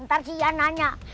ntar si ian nanya